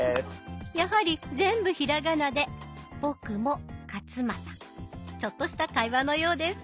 やはり全部ひらがなでちょっとした会話のようです。